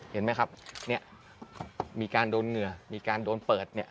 เห็นไหมครับเนี่ยมีการโดนเหงื่อมีการโดนเปิดเนี่ย